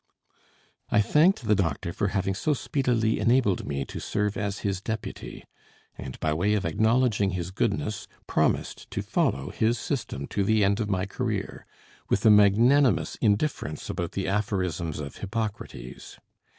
I thanked the doctor for having so speedily enabled me to serve as his deputy; and by way of acknowledging his goodness, promised to follow his system to the end of my career, with a magnanimous indifference about the aphorisms of Hippocrates.